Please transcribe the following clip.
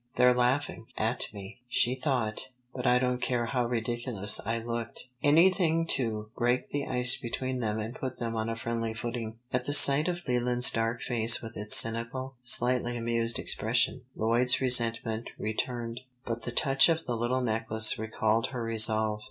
"They're laughing at me," she thought, "but I don't care how ridiculous I looked. Anything to break the ice between them and put them on a friendly footing." At the sight of Leland's dark face with its cynical, slightly amused expression, Lloyd's resentment returned, but the touch of the little necklace recalled her resolve.